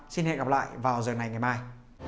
xin hẹn gặp lại vào giờ này ngày mai